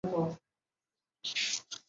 直隶辛卯乡试。